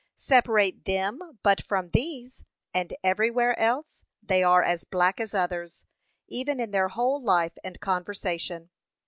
Separate them but from these, and everywhere else they are as black as others, even in their whole life and conversation.